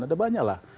ada banyak lah